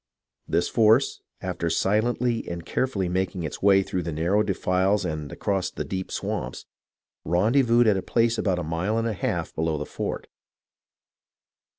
This force, after silently and carefully making its way through the narrow defiles and across the deep swamps, rendez voused at a place about a mile and a half below the fort.